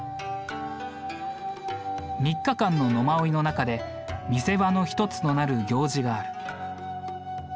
３日間の野馬追の中で見せ場の一つとなる行事がある。